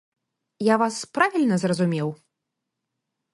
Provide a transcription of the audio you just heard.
Я вас правільна зразумеў?